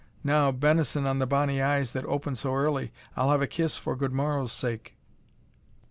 now, benison on the bonny eyes that open so early! I'll have a kiss for good morrow's sake."